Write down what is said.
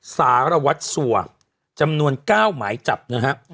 สารวัตรสัวจำนวน๙หมายจับนะฮะ